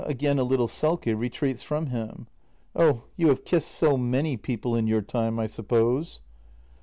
[Again a little sulky, retreats from him.] Oh, you have kissed so many people in your time, I suppose.